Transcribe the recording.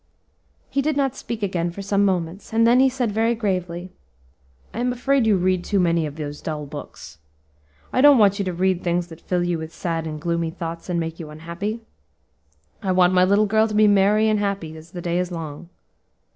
He did not speak again for some moments; and then he said very gravely, "I am afraid you read too many of those dull books. I don't want you to read things that fill you with sad and gloomy thoughts, and make you unhappy. I want my little girl to be merry and happy as the day is long."